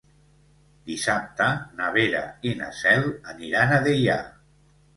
Dissabte na Vera i na Cel aniran a Deià.